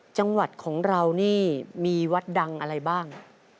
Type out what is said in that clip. จังหวัดของเรานี่มีวัดดังอะไรบ้าง